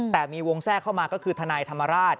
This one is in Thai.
แต่มีวงแทรกเข้ามาก็คือทนายธรรมราช